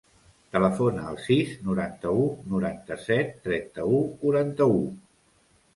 Telefona al sis, noranta-u, noranta-set, trenta-u, quaranta-u.